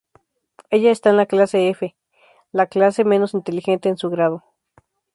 Ella está en la clase F, la clase menos inteligente en su grado.